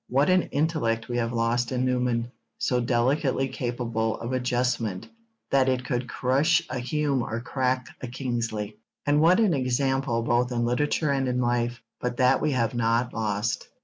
What an intellect we have lost in Newman so delicately capable of adjustment that it could crush a Hume or crack a Kingsley! And what an example both in literature and in life. But that we have not lost.